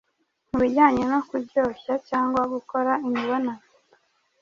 mu bijyanye no kuryoshya cyangwa gukora imibonano